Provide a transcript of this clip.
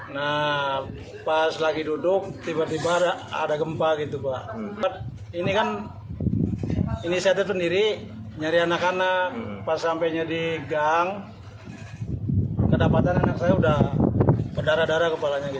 kepala korban yang saya dapatkan anak saya sudah berdarah darah kepalanya gitu pak